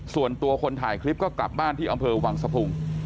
ส่วนตัวคนถ่ายคลิปก็กลับบ้านที่อำเภอวังสะพุง